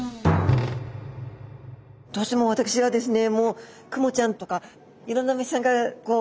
どうしても私はですね